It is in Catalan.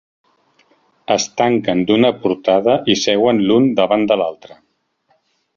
Es tanquen d'una portada i seuen l'un davant de l'altra.